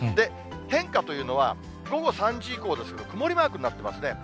変化というのは、午後３時以降ですけど、曇りマークになってますね。